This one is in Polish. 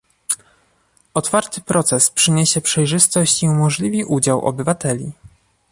Otwarty proces przyniesie przejrzystość i umożliwi udział obywateli